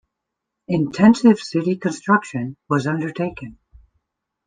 Intensive city construction was undertaken.